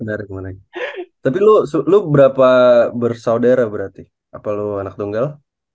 menarik menarik tapi lu suku berapa bersaudara berarti apa lu anak tunggal